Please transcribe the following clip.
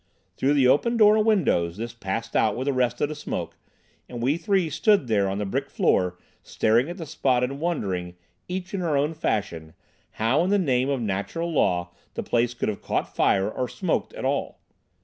Through the open door and windows this passed out with the rest of the smoke, and we three stood there on the brick floor staring at the spot and wondering, each in our own fashion, how in the name of natural law the place could have caught fire or smoked at all.